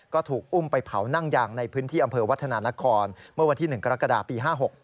ก็ถูกอุ้มไปเผานั่งยางในพื้นที่อำเภอวัฒนานครเมื่อวันที่๑กรกฎาปี๕๖